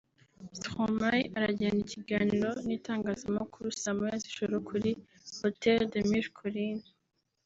Stromae aragirana ikiganiro n’itangazamakuru saa moya z’ijoro kuri Hôtel des Mille Collines